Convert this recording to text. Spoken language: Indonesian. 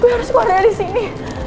gue harus keluar dari sini